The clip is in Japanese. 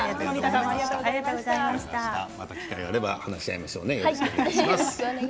また機会があれば話し合いしましょうね。